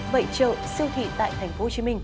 vậy chờ siêu thị tại tp hcm